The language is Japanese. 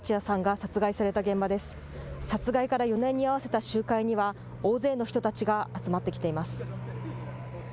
殺害から４年に合わせた集会には大勢の人たちが集まってきています。